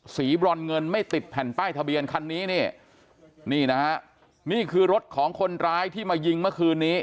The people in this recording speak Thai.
บรอนเงินไม่ติดแผ่นป้ายทะเบียนคันนี้นี่นี่นะฮะนี่คือรถของคนร้ายที่มายิงเมื่อคืนนี้